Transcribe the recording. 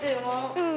うん。